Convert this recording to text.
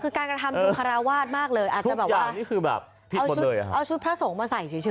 เอาชุดพระสงฆ์มาใส่เฉยหรือเปล่าค่ะ